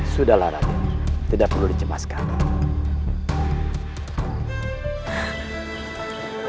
sudahlah raden tidak perlu dicemaskan